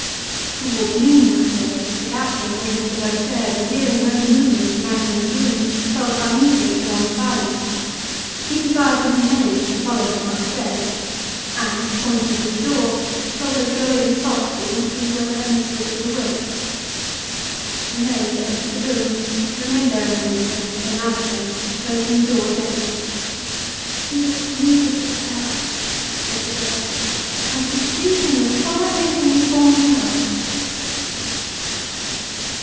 Towards noon that day, the captain, waiting below stairs, and hearing no movement in Magdalen's room, felt uneasy at the long silence. He desired the new maid to follow him upstairs, and, pointing to the door, told her to go in softly and see whether her mistress was awake. The maid entered the room, remained there a moment, and came out again, closing the door gently. "She looks beautiful, sir," said the girl; "and she's sleeping as quietly as a new born child."